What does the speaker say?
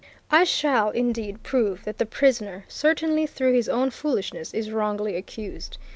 I shall, indeed, prove that the prisoner certainly through his own foolishness is wrongly accused.